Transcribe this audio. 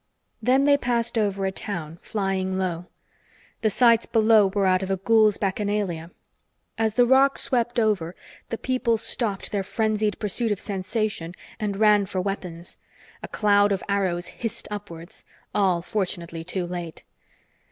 Then they passed over a town, flying low. The sights below were out of a ghoul's bacchanalia. As the roc swept over, the people stopped their frenzied pursuit of sensation and ran for weapons. A cloud of arrows hissed upwards, all fortunately too late.